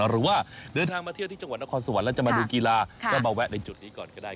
หรือว่าเดินทางมาเที่ยวที่จังหวัดนครสวรรค์แล้วจะมาดูกีฬาก็มาแวะในจุดนี้ก่อนก็ได้